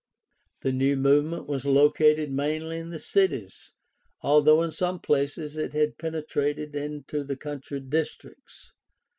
The new movement was located mainly in the cities, although in some places it had penetrated into the country districts.